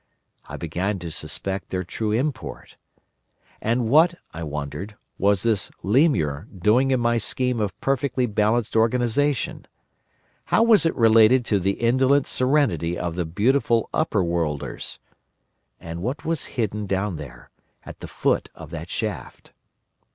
I began to suspect their true import. And what, I wondered, was this Lemur doing in my scheme of a perfectly balanced organisation? How was it related to the indolent serenity of the beautiful Overworlders? And what was hidden down there, at the foot of that shaft?